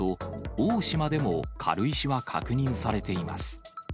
大島でも軽石は確認されています。